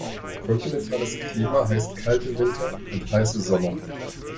Kontinentales Klima heißt kalte Winter und heiße Sommer.